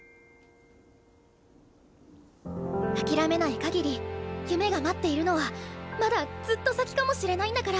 諦めないかぎり夢が待っているのはまだずっと先かもしれないんだから。